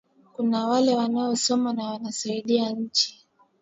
Kuna wale wanao soma nawana saidia inchi